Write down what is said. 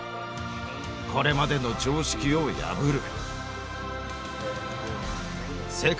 これまでの常識を破る。